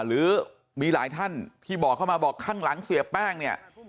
หรือมีหลายท่านที่บอกเข้ามาบอกข้างหลังเสียแป้งเนี่ย